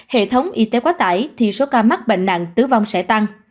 hệ thống y tế quá tải thì số ca mắc bệnh nặng tử vong sẽ tăng